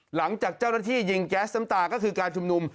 หลังจากเจ้าหน้าที่ยิงแก๊สน้ำตาก็คือการชุมนุม